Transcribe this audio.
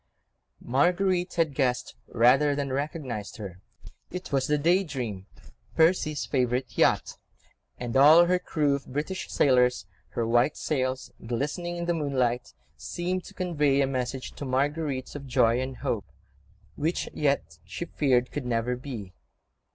Marguerite had guessed rather than recognised her. It was the Day Dream, Percy's favourite yacht, with old Briggs, that prince of skippers, aboard, and all her crew of British sailors: her white sails, glistening in the moonlight, seemed to convey a message to Marguerite of joy and hope, which yet she feared could never be.